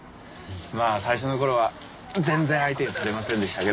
まあ最初の頃は全然相手にされませんでしたけど。